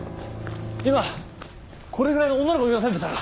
今これぐらいの女の子見ませんでしたか？